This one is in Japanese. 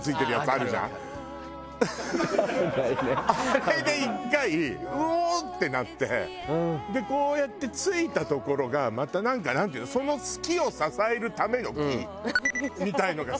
あれで１回うおっ！ってなってこうやってついた所がまたなんかなんていうのその木を支えるための木みたいのが刺さってるじゃん。